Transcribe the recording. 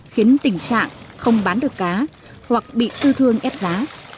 khiến tình trạng không bán được cá hoặc bị tư thương ép giá